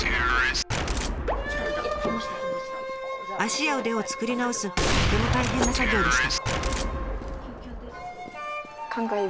足や腕を作り直すとても大変な作業でした。